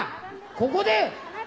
ここで！